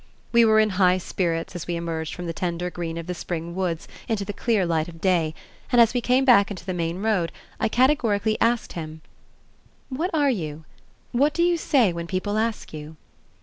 We were in high spirits as we emerged from the tender green of the spring woods into the clear light of day, and as we came back into the main road I categorically asked him: "What are you? What do you say when people ask you?"